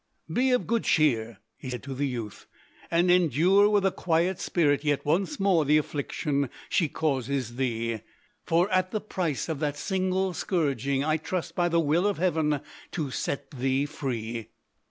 "Be of good cheer," he said to the youth, "and endure with a quiet spirit yet once more the affliction she causes thee; for at the price of that single scourging I trust, by the will of Heaven, to set thee free."